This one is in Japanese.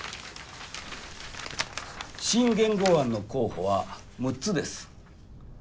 新元号案の候補は６つです